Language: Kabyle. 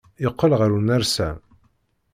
Yeqqel ɣer unersam.